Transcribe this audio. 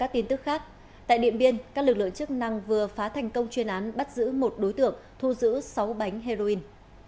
tại điện biên các lực lượng chức năng vừa phá thành công chuyên án bắt giữ một đối tượng thu giữ sáu bánh heroin